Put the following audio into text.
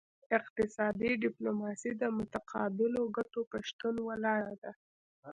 اقتصادي ډیپلوماسي د متقابلو ګټو په شتون ولاړه ده